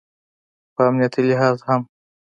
په امنیتي لحاظ هم